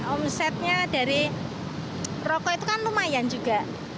omsetnya dari rokok itu kan lumayan juga